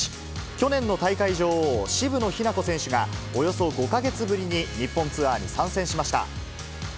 去年の大会女王、渋野日向子選手が、およそ５か月ぶりに日本ツアーに参戦しました。